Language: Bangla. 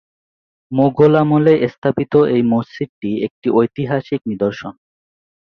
মুঘল আমলে স্থাপিত এই মসজিদটি একটি ঐতিহাসিক নিদর্শন।